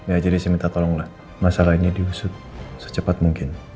ya jadi saya minta tolonglah masalah ini diusut secepat mungkin